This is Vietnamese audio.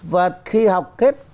và khi học hết